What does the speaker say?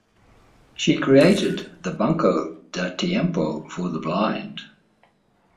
She created the "Banco de Tiempo" for the blind.